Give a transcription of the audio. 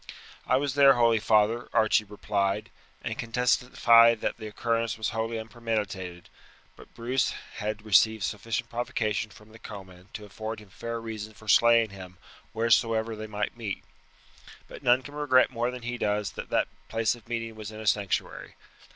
"I was there, holy father," Archie replied, "and can testify that the occurrence was wholly unpremeditated; but Bruce had received sufficient provocation from the Comyn to afford him fair reason for slaying him wheresoever they might meet. But none can regret more than he does that that place of meeting was in a sanctuary.